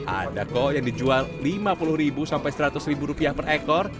ada kok yang dijual lima puluh sampai seratus rupiah per ekor